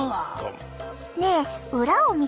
ねえ裏を見てみて。